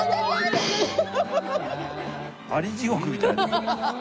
アリ地獄みたい。